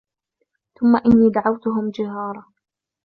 ثم إني دعوتهم جهارا